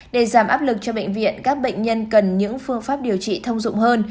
để giảm áp lực cho bệnh viện các bệnh nhân cần những phương pháp điều trị thông dụng hơn